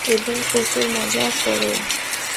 এবং প্রচুর মজা করো!